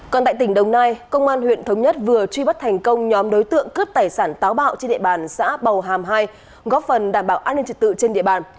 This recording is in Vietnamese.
còn tại tỉnh đồng nai công an huyện thống nhất vừa truy bắt thành công nhóm đối tượng cướp tài sản táo bạo trên địa bàn xã bào hàm hai góp phần đảm bảo an ninh trật tự trên địa bàn